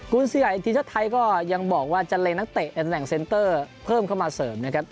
คุณเสียอีกทีมชาติไทยก็ยังบอกว่าจะเล็งนักเตะในตำแหน่งเซ็นเตอร์เพิ่มเข้ามาเสริมนะครับ